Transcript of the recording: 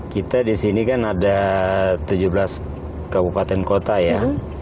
kita di sini kan ada tujuh belas kabupaten kota ya